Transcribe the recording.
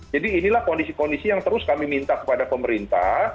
jadi inilah kondisi kondisi yang terus kami minta kepada pemerintah